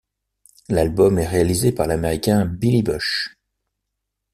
L'album est réalisé par l'américain Billy Bush.